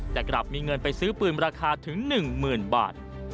แต่กลับมีเงินไปซื้อปืนราคาถึง๑๐๐๐บาท